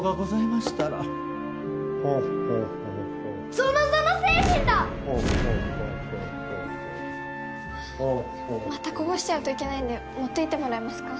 またこぼしちゃうといけないので持っていってもらえますか？